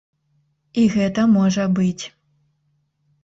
І гэта можа быць.